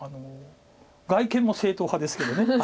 外見も正統派ですけど。